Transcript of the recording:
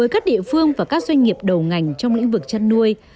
các địa phương và các doanh nghiệp đầu ngành trong lĩnh vực chăn nuôi